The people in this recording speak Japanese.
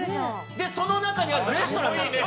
その中にあるレストランなんです。